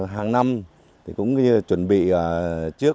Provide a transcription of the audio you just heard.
hàng năm cũng như chuẩn bị trước